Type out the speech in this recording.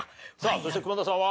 そして久間田さんは？